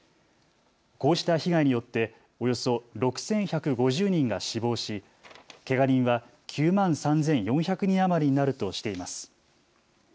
こうした被害によっておよそ６１５０人が死亡しけが人は９万３４００人余りになるとしています。